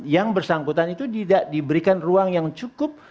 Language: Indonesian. yang bersangkutan itu tidak diberikan ruang yang cukup